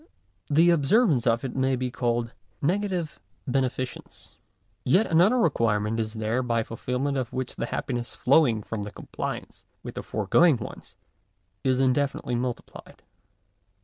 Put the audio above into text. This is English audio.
The observance of it may be called negative beneficence. Yet another requirement is there by fulfilment of which the happiness flowing from compliance with the foregoing ones is indefinitely multiplied.